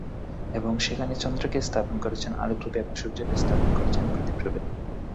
এবং সেখানে চন্দ্রকে স্থাপন করেছেন আলোরূপে ও সূর্যকে স্থাপন করেছেন প্রদীপরূপে।